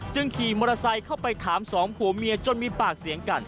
ขี่มอเตอร์ไซค์เข้าไปถามสองผัวเมียจนมีปากเสียงกัน